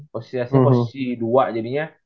posisi posisi dua jadinya